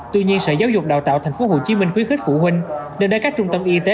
tuy nhiên sở giáo dục đào tạo tp hcm khuyến khích phụ huynh nên đến các trung tâm y tế